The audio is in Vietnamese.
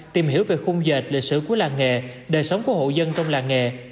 tìm hiểu về khung dệt lịch sử của làng nghề đời sống của hộ dân trong làng nghề